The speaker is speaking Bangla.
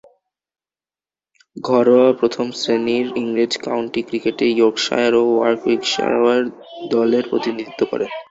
ঘরোয়া প্রথম-শ্রেণীর ইংরেজ কাউন্টি ক্রিকেটে ইয়র্কশায়ার ও ওয়ারউইকশায়ার দলের প্রতিনিধিত্ব করেন।